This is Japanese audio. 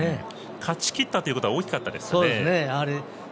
勝ちきったということは大きかったですかね。